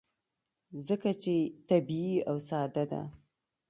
ځکه چې طبیعي او ساده ده.